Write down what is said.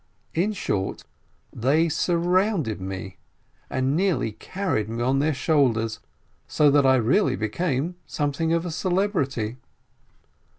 In short, they surrounded me, 34 JEHALEL and nearly carried me on their shoulders, so that I really became something of a celebrity.